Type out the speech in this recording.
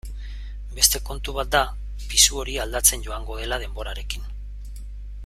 Beste kontu bat da pisu hori aldatzen joango dela denborarekin.